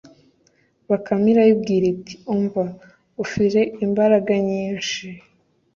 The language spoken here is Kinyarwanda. bakame irayibwira iti umva ufire imbaraga nyinshi